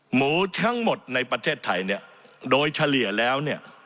หมู่ทั้งหมดในประเทศไทยโดยเฉลี่ยแล้ว